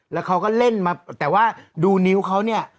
แล้วเขาก็เล่นมาแต่ว่าดูนิ้วเขาเนี่ย